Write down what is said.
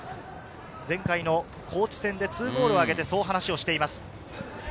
前回の高知戦で２ゴールを挙げて、そう話しています。